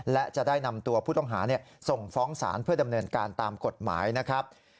และจะได้นำตัวผู้ต้องหาส่งฟ้องศาลเพื่อดำเนินการตามกฎหมายนะครับ